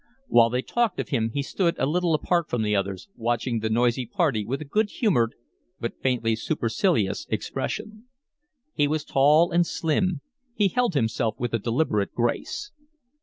While they talked of him he stood a little apart from the others, watching the noisy party with a good humoured but faintly supercilious expression. He was tall and slim. He held himself with a deliberate grace.